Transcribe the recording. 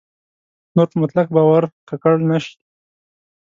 نور په مطلق باورۍ ککړ نه شي.